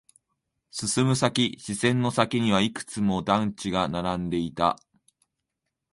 進む先、視線の先にはいくつも団地が立ち並んでいた。